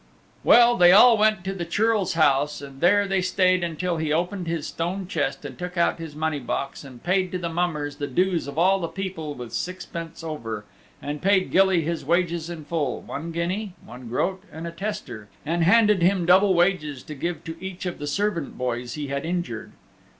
Well, they all went to the Churl's house and there they stayed until he opened his stone chest and took out his money box and paid to the mummers the dues of all the people with sixpence over, and paid Gilly his wages in full, one guinea, one groat and a tester, and handed him double wages to give to each of the servant boys he had injured.